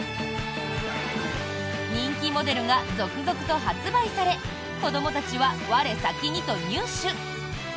人気モデルが続々と発売され子どもたちは我先にと入手。